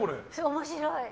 面白い！